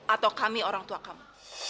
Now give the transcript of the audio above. atau kami orang tua kami